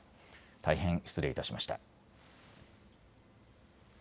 大変、失礼致しました。